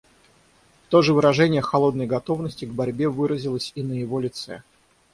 То же выражение холодной готовности к борьбе выразилось и на его лице.